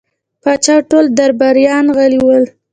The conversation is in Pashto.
پاچا او ټول درباريان غلي ول.